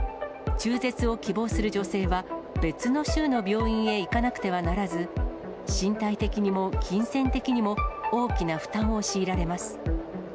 中絶を希望する女性は、別の州の病院へ行かなくてはならず、身体的にも金銭的にも大きな負担を強いられます。